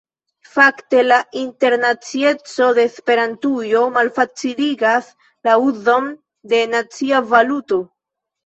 Fakte la internacieco de Esperantujo malfaciligas la uzon de nacia valuto.